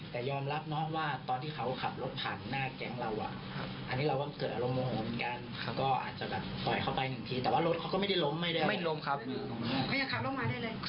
แต่ยอมรับน้องว่าตอนที่เขาขับรถผ่านหน้าแก๊งเราอันนี้เราก็เกิดอารมณ์โมงเหมือนกัน